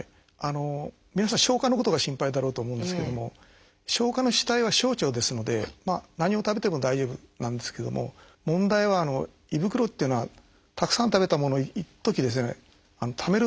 皆さん消化のことが心配だろうと思うんですけども消化の主体は小腸ですので何を食べても大丈夫なんですけども問題は胃袋っていうのはたくさん食べたものをいっときためる